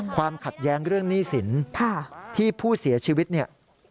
ความขัดแย้งเรื่องหนี้สินที่ผู้เสียชีวิตเนี่ย